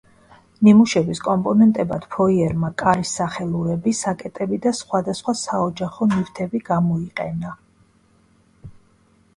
ნიმუშების კომპონენტებად ფოიერმა კარის სახელურები, საკეტები და სხვადასხვა საოჯახო ნივთები გამოიყენა.